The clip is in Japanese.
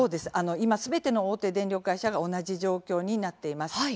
今すべての大手電力会社が同じ状況になっています。